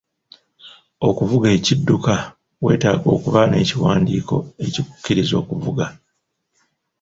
Okuvuga ekidduka, weetaaga okuba n'ekiwandiiko ekikukkiriza okuvuga.